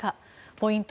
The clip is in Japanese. ポイント